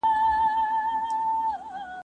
زه به مړۍ خوړلي وي!.